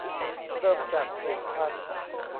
เริ่มจาก หนึ่งพัน